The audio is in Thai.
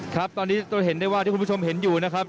ครับตอนนี้เราเห็นได้ว่าที่คุณผู้ชมเห็นอยู่นะครับ